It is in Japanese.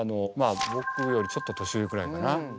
ぼくよりちょっと年上くらいかな？